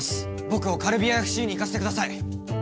僕をカルビアＦＣに行かせてください